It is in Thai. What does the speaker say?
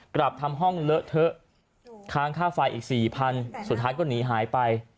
กลับทำห้องเลอะเถอะค้างค่าไฟอีก๔๐๐สุดท้ายก็หนีหายไป